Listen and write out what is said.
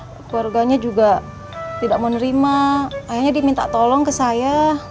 keluarganya juga tidak menerima ayahnya diminta tolong ke saya